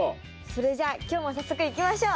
それじゃ今日も早速いきましょう。